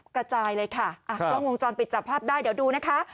กระจายเลยค่ะกล้องวงจรปิดจับภาพได้เดี๋ยวดูนะคะ